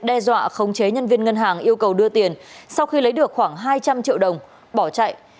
đe dọa khống chế nhân viên ngân hàng yêu cầu đưa tiền sau khi lấy được khoảng hai trăm linh triệu đồng bỏ chạy